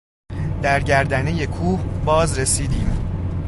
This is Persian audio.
در گردنهٔ کوه باز رسیدیم.